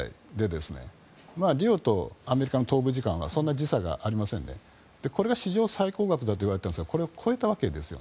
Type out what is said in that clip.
リオと東京はそんなに時差がありませんがこれは史上最高額だといわれているんですがこれを超えたわけです。